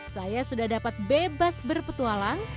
saya sudah dapat bebas berpetualang